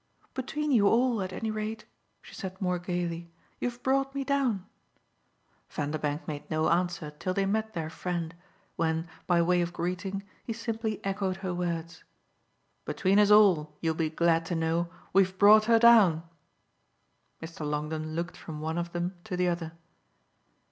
"Between you all, at any rate," she said more gaily, "you've brought me down." Vanderbank made no answer till they met their friend, when, by way of greeting, he simply echoed her words. "Between us all, you'll be glad to know, we've brought her down." Mr. Longdon looked from one of them to the other.